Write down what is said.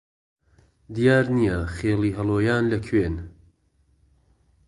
دیار نییە خێڵی هەڵۆیان لە کوێن